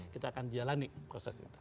kita akan jalani proses itu